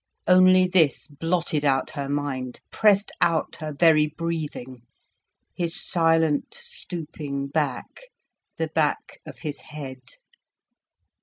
Only this blotted out her mind, pressed out her very breathing, his silent, stooping back, the back of his head.